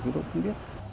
chúng tôi cũng không biết